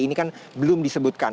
ini kan belum disebutkan